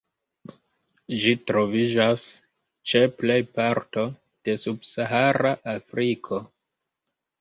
Ĝi troviĝas ĉe plej parto de Subsahara Afriko.